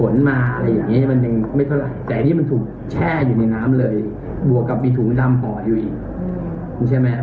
ละครับ